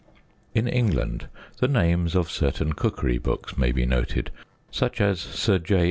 In England the names of certain cookery books may be noted, such as Sir J.